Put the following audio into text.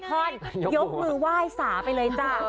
ตอนยกมือว่ายสาไปเลยจ้ะ